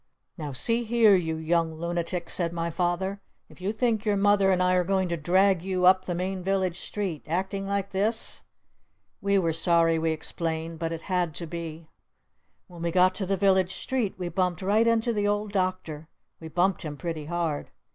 "Now see here, you young Lunatics," said my Father. "If you think your Mother and I are going to drag you up the main village street acting like this?" We were sorry, we explained! But it had to be! When we got to the village street we bumped right into the Old Doctor. We bumped him pretty hard!